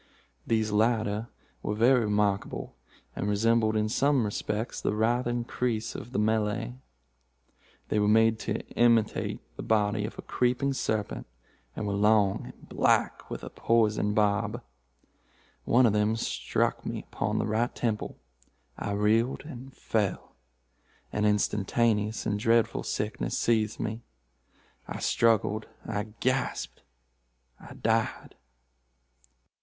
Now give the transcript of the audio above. These latter were very remarkable, and resembled in some respects the writhing creese of the Malay. They were made to imitate the body of a creeping serpent, and were long and black, with a poisoned barb. One of them struck me upon the right temple. I reeled and fell. An instantaneous and dreadful sickness seized me. I struggled—I gasped—I died."